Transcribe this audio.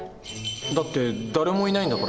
だって誰もいないんだからさ